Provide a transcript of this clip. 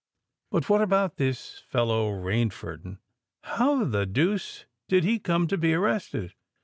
But what about this fellow Rainford? and how the deuce did he come to be arrested?"